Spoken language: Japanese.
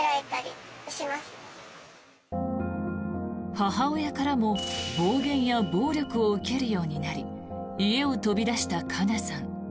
母親からも暴言や暴力を受けるようになり家を飛び出したかなさん。